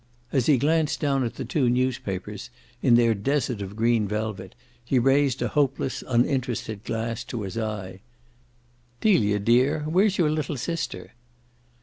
As he glanced down at the two newspapers in their desert of green velvet he raised a hopeless uninterested glass to his eye. "Delia dear, where's your little sister?"